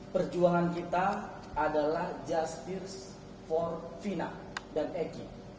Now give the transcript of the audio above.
perjuangan kita adalah just for fina dan eki